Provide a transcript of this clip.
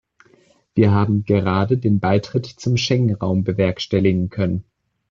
Wir haben gerade den Beitritt zum Schengen-Raum bewerkstelligen können.